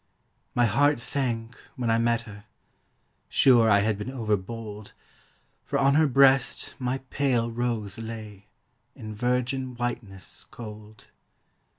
My heart sank when I met her: sure I had been overbold, For on her breast my pale rose lay In virgin whiteness cold.